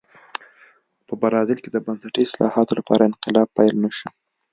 په برازیل کې د بنسټي اصلاحاتو لپاره انقلاب پیل نه شو.